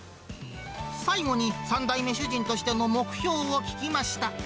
最後に、３代目主人としての目標を聞きました。